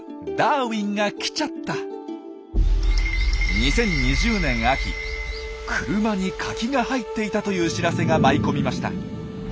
２０２０年秋「車にカキが入っていた！」という知らせが舞い込みました。